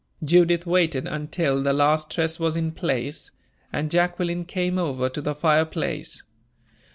Judith waited until the last tress was in place, and Jacqueline came over to the fireplace.